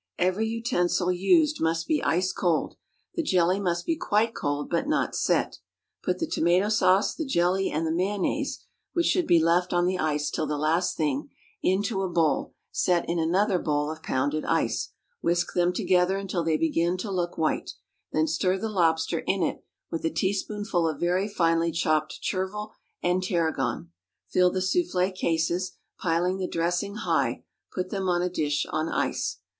Every utensil used must be ice cold, the jelly must be quite cold, but not set. Put the tomato sauce, the jelly, and the mayonnaise (which should be left on the ice till the last thing) into a bowl set in another bowl of pounded ice; whisk them together until they begin to look white; then stir the lobster in it, with a teaspoonful of very finely chopped chervil and tarragon; fill the soufflée cases, piling the dressing high; put them on a dish on ice.